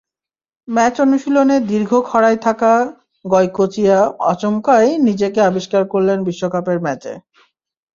Match অনুশীলনের দীর্ঘ খরায় থাকা গয়কোচিয়া আচমকাই নিজেকে আবিষ্কার করলেন বিশ্বকাপের ম্যাচে।